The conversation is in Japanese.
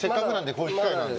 こういう機会なんで。